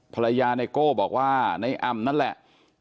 ภรรยานายโก้บอกว่านายอำนั่นแหละ